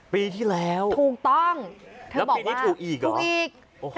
ปีที่แล้วแล้วปีนี้ถูกอีกเหรอถูกต้อง